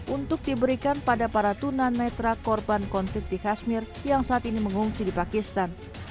untuk diberikan pada para tunanetra korban konflik di kashmir yang saat ini mengungsi di pakistan